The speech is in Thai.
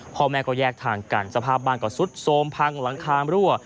พ่อแม่ก็แยกทางกันสภาพบ้านก็ซุดโทรมพังหลังคามรั่ว